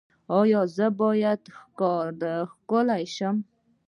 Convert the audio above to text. ایا زه باید ښکاره شم؟